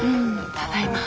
ただいま。